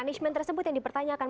punishment tersebut yang dipertanyakan